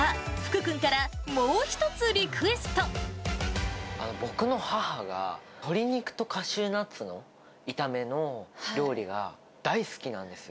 さあ、僕の母が、鶏肉とカシューナッツの炒めの料理が大好きなんですよ。